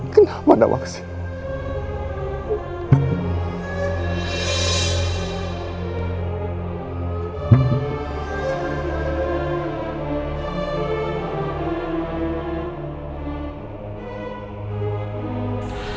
kenapa nawang sih